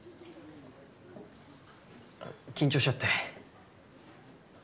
緊張しちゃって。